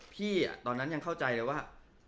ตอนนั้นยังเข้าใจเลยว่า